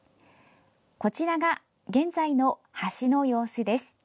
こちらが現在の橋の様子です。